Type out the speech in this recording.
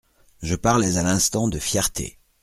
Je parlais à l’instant de fierté.